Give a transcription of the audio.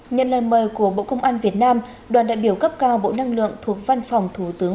nhận lời mời của bộ công an việt nam đoàn đại biểu cấp cao bộ năng lượng thuộc văn phòng thủ tướng